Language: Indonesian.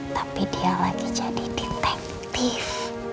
tapi dia lagi jadi detektif